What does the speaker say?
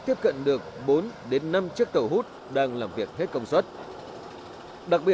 hít cho bọn em cho dân bọn em làm